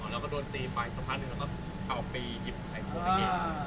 อ่าแล้วก็โดนตีฝ่ายสะพานหนึ่งแล้วก็เอาไปหยิบไข่ควงในเก๊อร์อ่า